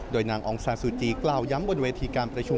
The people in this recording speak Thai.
โดยนางองซาซูจีกล่าวย้ำบนเวทีการประชุม